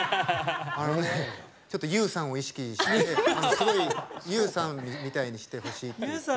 あのね、ちょっとＹＯＵさんを意識してすごいＹＯＵさんみたいにしてほしいって。